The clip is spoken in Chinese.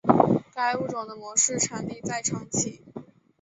该物种的模式产地在长崎。